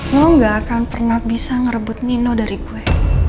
lo nggak akan pernah bisa ngerebut nino dari gue